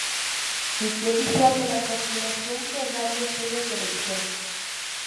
Sitio oficial de la Coordinación de Radio, Cine y Televisión